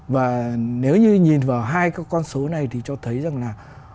và nếu như nhìn vào hai cái con số này thì cho thấy rằng là